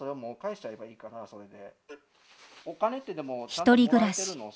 一人暮らし。